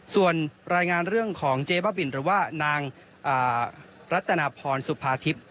ส่วนรายงานเรื่องของเจ๊บ้าบินหรือว่านางรัตนาพรสุภาทิพย์